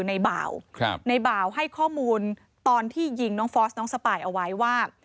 ในบ่าวในบ่าวให้ข้อมูลตอนที่ยิงน้องฟอสน้องสปายเอาไว้ว่า